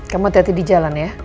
kamu hati hati di jalan ya